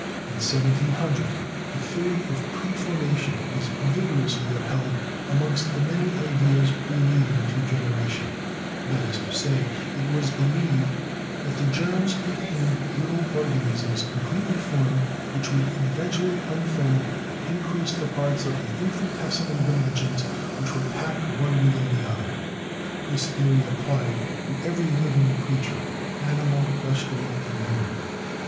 In 1700 the theory of pre formation was vigorously upheld amongst the many ideas relating to generation: that is to say, it was believed that the germs contained little organisms completely formed which would eventually unfold and increase the parts of infinitesimal dimensions which were packed one within the other. This theory applied to every living creature, animal, vegetable, and human.